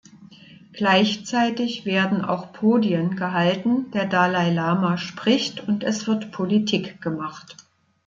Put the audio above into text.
Gleichzeitig werden auch Podien gehalten, der Dalai Lama spricht und es wird Politik gemacht.